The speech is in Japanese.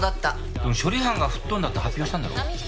でも処理班が吹っ飛んだって発表したんだろ？